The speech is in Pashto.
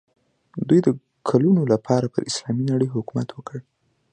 دوی د کلونو لپاره پر اسلامي نړۍ حکومت وکړ.